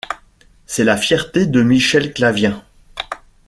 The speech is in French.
C’est la fierté de Michel Clavien.